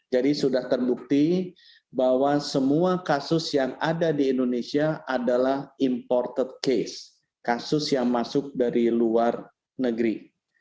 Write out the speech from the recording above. jadi sudah terbukti bahwa semua kasus yang ada di indonesia adalah imported case kasus yang masuk dari luar negeri